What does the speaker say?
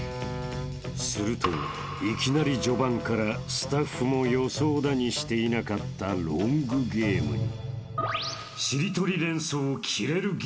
［するといきなり序盤からスタッフも予想だにしていなかったロングゲームに］